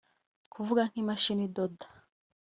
kavuga nk’imashini idoda